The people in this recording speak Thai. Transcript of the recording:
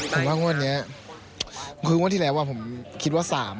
ผมว่าวันนี้คือว่าที่แรกว่าผมคิดว่า๓